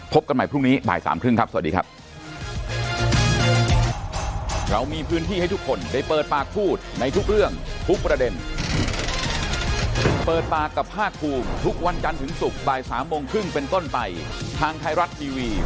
กันใหม่พรุ่งนี้บ่ายสามครึ่งครับสวัสดีครับ